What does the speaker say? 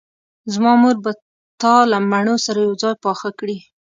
زما مور به تا له مڼو سره یوځای پاخه کړي